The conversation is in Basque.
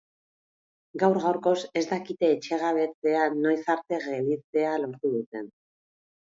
Gaur gaurkoz ez dakite etxegabetzea noiz arte gelditzea lortu duten.